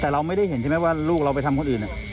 หนูเนี่ยนี่มัน